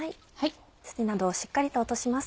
土などをしっかりと落とします。